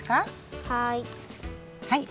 はい。